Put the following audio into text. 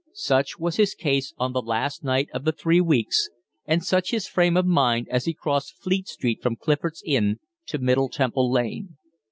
Such was his case on the last night of the three weeks, and such his frame of mind as he crossed Fleet Street from Clifford's Inn to Middle Temple Lane.